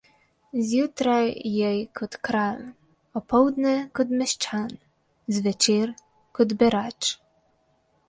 Zjutraj jej kot kralj, opoldne kot meščan, zvečer kot berač.